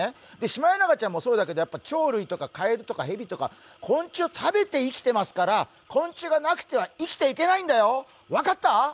シマエナガちゃんもそうだけど、鳥類とかヘビとかカエルとか昆虫食べて生きてますから昆虫がなくては生きていけないんだよ、分かった？